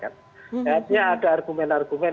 artinya ada argumen argumen